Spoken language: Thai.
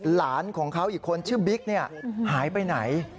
หลานของเขาอีกคนชื่อบิ๊กหายไปไหน